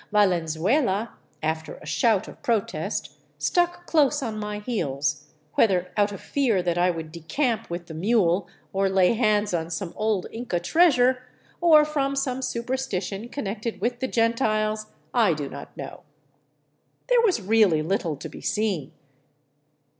Valenzuela, after a shout of protest, stuck close on my heels, whether out of fear that I would decamp with the mule, or lay hands on some old Inca treas ure, or from some superstition connected with the " Gentiles," I do not ^know. There was really little to be seen.